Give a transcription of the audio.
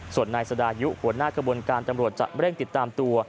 ส่วนนายสดายุหัวหน้ากระบวนการตำรวจจะเร่งติดตามตัว